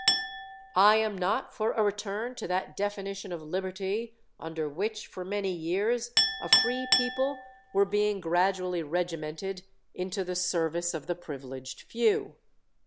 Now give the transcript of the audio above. I am not for a return to that definition of liberty under which for many years a free people were being gradually regimented into the service of the privileged few.